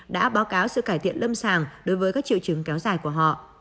đã báo cáo sự cải thiện lâm sàng đối với các triệu chứng kéo dài của họ